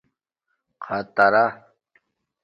خطرا